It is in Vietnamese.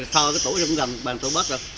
sau cái tuổi cũng gần bàn tuổi bắt rồi